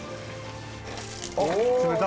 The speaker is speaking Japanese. あっ冷た。